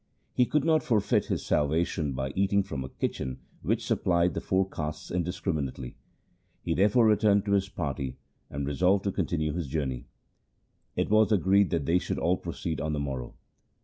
He could not forfeit his salvation by eating from a kitchen which supplied the four castes indiscriminately. He therefore re turned to his party and resolved to continue his journey. It was agreed that they should all proceed on the morrow.